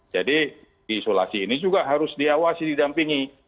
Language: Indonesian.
jadi isolasi ini juga harus diawasi didampingi